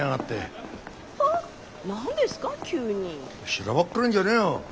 しらばっくれんじゃねえよ。